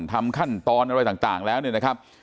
ทำขั้นตอนอะไรต่างแล้วเนี่ยนะครับ